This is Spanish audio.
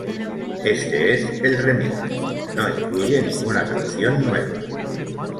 Este es el remix no incluye ninguna canción nueva.